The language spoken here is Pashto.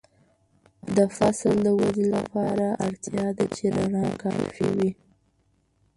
د فصل د ودې لپاره اړتیا ده چې رڼا کافي وي.